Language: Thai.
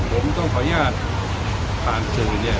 ผมต้องขออนุญาตผ่านสื่อเนี่ย